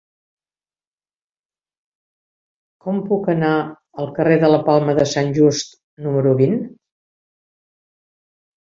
Com puc anar al carrer de la Palma de Sant Just número vint?